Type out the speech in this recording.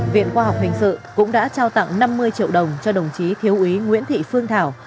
viện khoa học hình sự cũng đã trao tặng năm mươi triệu đồng cho đồng chí thiếu úy nguyễn thị phương thảo